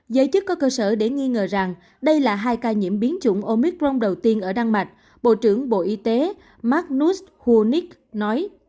giới chức có cơ sở để nghi ngờ rằng đây là hai ca nhiễm biến chủng omicron đầu tiên ở đan mạch bộ trưởng bộ y tế magnus huonic nói